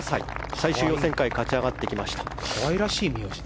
最終予選会で勝ち上がってきました。